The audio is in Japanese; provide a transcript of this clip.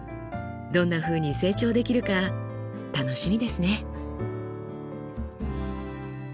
どんなふうに成長できるか楽しみですね。